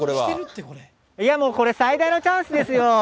いやもう、これ、最大のチャンスですよ。